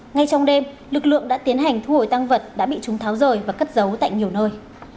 ngay trong đêm lực lượng đã tiến hành thu hồi tăng vật đã bị chúng tháo rời và cất giấu tại nhiều nơi